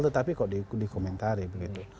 tetapi kok dikomentari begitu